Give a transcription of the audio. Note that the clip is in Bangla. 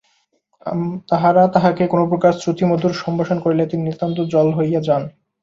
তাহারা তাঁহাকে কোনো-প্রকার শ্রুতিমধুর সম্ভাষণ করিলে তিনি নিতান্ত জল হইয়া যান।